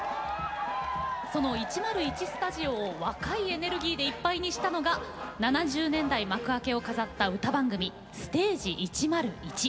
その１０１スタジオを若いエネルギーでいっぱいにしたのが７０年代幕開けを飾った歌番組「ステージ１０１」。